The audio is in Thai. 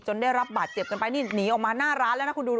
ได้รับบาดเจ็บกันไปนี่หนีออกมาหน้าร้านแล้วนะคุณดู